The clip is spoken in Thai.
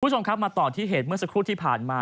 คุณผู้ชมครับมาต่อที่เหตุเมื่อสักครู่ที่ผ่านมา